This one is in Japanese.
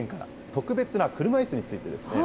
特別な車いすについてですね。